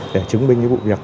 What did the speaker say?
để chứng minh những vụ việc